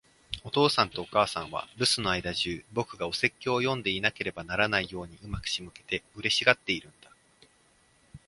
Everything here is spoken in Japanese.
お父さんとお母さんは、留守の間じゅう、僕がお説教を読んでいなければならないように上手く仕向けて、嬉しがっているんだ。